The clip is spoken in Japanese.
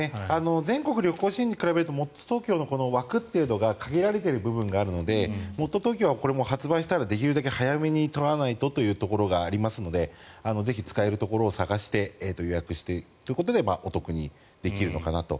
全国旅行支援に比べるともっとＴｏｋｙｏの枠は限られている部分があるのでもっとＴｏｋｙｏは発売したらできるだけ早めに取らないとということがありますのでぜひ使えるところを探して予約してお得にできるのかなと。